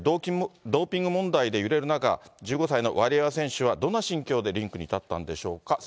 ドーピング問題で揺れる中、１５歳のワリエワ選手は、どんな心境でリンクに立ったのでしょうか。